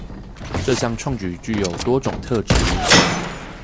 這項創舉具有多種特質